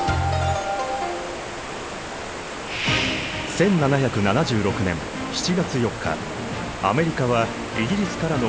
１７７６年７月４日アメリカはイギリスからの独立を宣言。